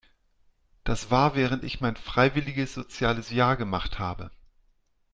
Das war während ich mein freiwilliges soziales Jahr gemacht habe.